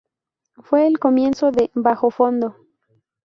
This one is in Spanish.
Fue el comienzo de "Bajofondo".